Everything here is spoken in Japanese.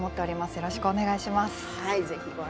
よろしくお願いします。